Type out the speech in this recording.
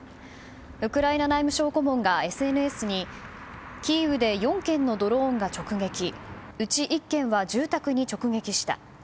ウクライナ内務相顧問がＳＮＳにキーウで４件のドローンが直撃うち１件は住宅に直撃した。